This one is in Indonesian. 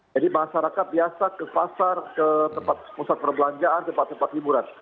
masyarakat biasa ke pasar ke tempat pusat perbelanjaan tempat tempat hiburan